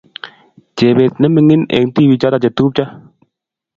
Chebet nemining eng tibiichoto chetupcho